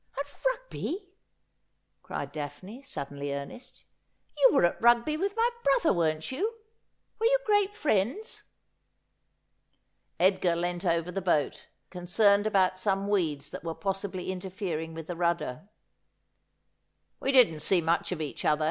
'' At Rugby !' cried Daphne, suddenly earnest. ' You were at Rua; by with my brother, weren't you ? Were you great friends ?' Edgar leant over the boat, concerned about some weeds that were possibly interfering with the rudder. ' We didn't see much of each other.